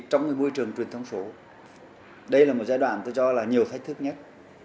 bởi vì môi trường truyền thống số đây là một giai đoạn tôi cho là nhiều thách thức nhất